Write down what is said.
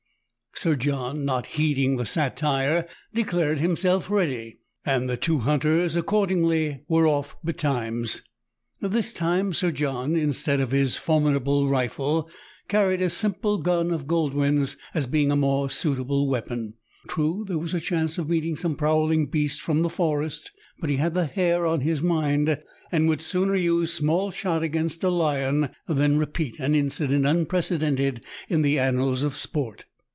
Sir John, not heeding the satire, declared himself ready ; and the two hunters, accordingly, were off betimes. This time, Sir John, instead of his formidable rifle, carried a simple gun of Goldwin's, as being a more suitable weapon. True, there was a chance of meeting some prowling beast from the forest ; but he had the hare on his mind, and would sooner use small shot against a lion than repeat an incident unprecedented in the annals of sport.